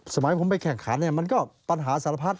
สมัยผมไปแข่งขันมันก็ปัญหาสารพัฒน์